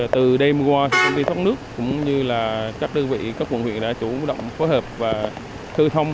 từ đêm qua công ty thoát nước cũng như các đơn vị các quận huyện đã chủ động phối hợp và thư thông